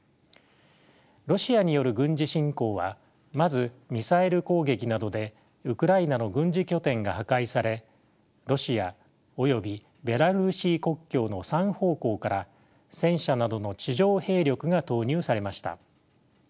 ロシアによる軍事侵攻はまずミサイル攻撃などでウクライナの軍事拠点が破壊されロシアおよびベラルーシ国境の３方向から戦車などの地上兵力が投入されました。